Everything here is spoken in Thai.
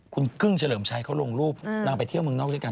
คุณกึ้งเฉลิมชัยเขาลงรูปนางไปเที่ยวเมืองนอกด้วยกัน